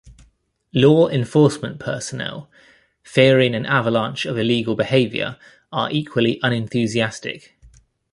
Law enforcement personnel, fearing an avalanche of illegal behavior are equally unenthusiastic.